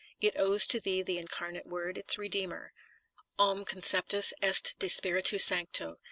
It owes to thee the Incarnate Word, its Redeemer: Qm conceptus est de Spiritu Sancto.